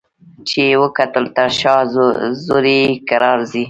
چي یې وکتل تر شا زوی یې کرار ځي